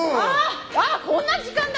あっこんな時間だ！